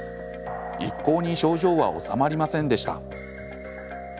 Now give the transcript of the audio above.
一向に症状は治まりませんでした。